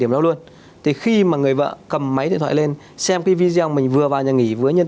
điểm đó luôn thì khi mà người vợ cầm máy điện thoại lên xem cái video mình vừa vào nhà nghỉ với nhân